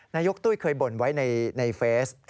นายกตุ้ยเคยบ่นไว้ในเฟซ